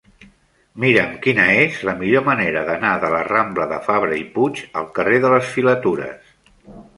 Mira'm quina és la millor manera d'anar de la rambla de Fabra i Puig al carrer de les Filatures.